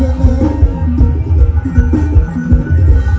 เวลาที่สุดท้าย